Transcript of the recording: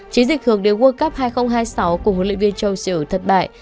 chính dịch hưởng đến world cup hai nghìn hai mươi sáu của huấn luyện viên chou siêu thất bại